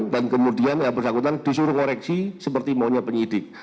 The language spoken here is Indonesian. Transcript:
dan kemudian yang persangkutan disuruh koreksi seperti maunya penyidik